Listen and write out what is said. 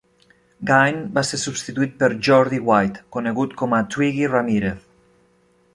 Gein va ser substituït per Jeordie White, conegut com a Twiggy Ramirez.